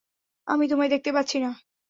আমি তোমায় দেখতে পাচ্ছি না।